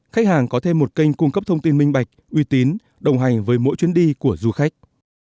khách hàng có thêm một kênh cung cấp thông tin minh bạch uy tín đồng hành với mỗi chuyến đi của du khách